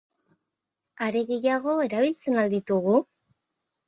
Are gehiago, erabiltzen al ditugu?